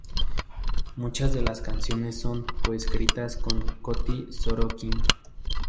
Muchas de las canciones son co-escritas con Coti Sorokin.